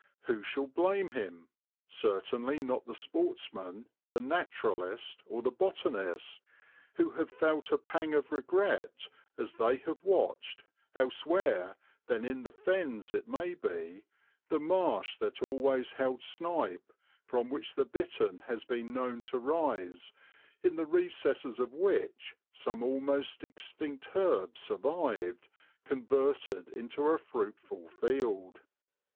Who shall blame him? Certainly not the sportsman, the naturalist, or the botanist, who have felt a pang of regret as they have watched, elsewhere than in the Fens it may be, the marsh that always held snipe, from which the bittern has been known to rise, in the recesses of which some almost extinct herb survived, converted into a fruitful field.